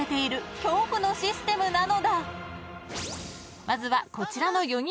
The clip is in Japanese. ［まずはこちらの４人が挑戦］